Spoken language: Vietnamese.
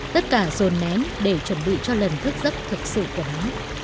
tất cả dồn nén để chuẩn bị cho lần thức giấc thực sự của nó